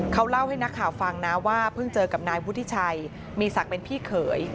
เขาเล่าให้นักข่าวฟังนะว่าเพิ่งเจอกับนายวุฒิชัยมีศักดิ์เป็นพี่เขย